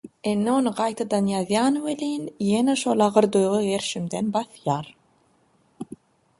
indi ony gaýtadan ýazýan welin ýene şol agyr duýgy gerşimden basýar.